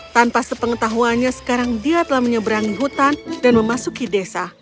tanpa sepengetahuannya sekarang dia telah menyeberangi hutan dan memasuki desa